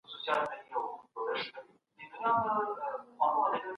ابتکار ژبه ځوانه ساتي.